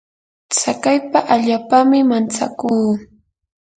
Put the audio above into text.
tsakaypa allaapami mantsakuu.